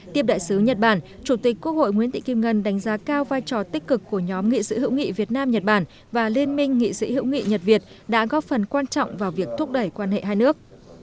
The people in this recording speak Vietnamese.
tiếp đại sứ nhật bản chủ tịch quốc hội nguyễn thị kim ngân đánh giá cao vai trò tích cực của nhóm nghị sĩ hữu nghị việt nam nhật bản và liên minh nghị sĩ hữu nghị nhật việt đã góp phần quan trọng vào việc thúc đẩy quan hệ hai nước